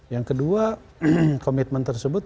yang kedua komitmen tersebut